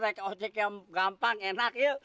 naik ojek yang gampang enak yuk